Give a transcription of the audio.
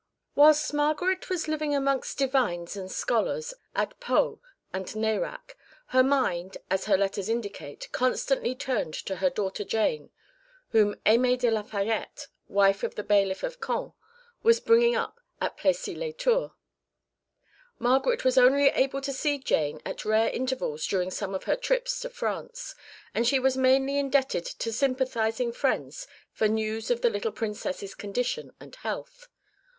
Whilst Margaret was living amongst divines and scholars at Pau and Nérac, her mind, as her letters indicate, constantly turned to her daughter Jane, whom Aimée de la Fayette, wife of the Bailiff of Caen, was bringing up at Plessis lès Tours. Margaret was only able to see Jane at rare intervals during some of her trips to France, and she was mainly indebted to sympathising friends for news of the little Princess's condition and health.